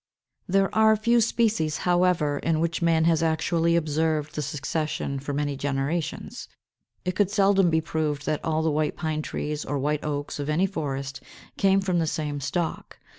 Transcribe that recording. There are few species, however, in which man has actually observed the succession for many generations. It could seldom be proved that all the White Pine trees or White Oaks of any forest came from the same stock.